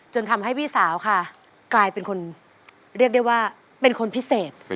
จนทำให้พี่สาวค่ะกลายเป็นคนเรียกได้ว่าเป็นคนพิเศษ